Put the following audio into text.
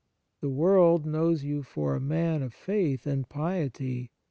The world knows you for a man of faith and piety.